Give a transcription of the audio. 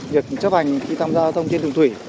việc chấp hành khi tham gia giao thông trên đường thủy